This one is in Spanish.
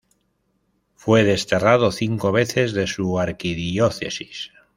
Fue desterrado cinco veces de su arquidiócesis.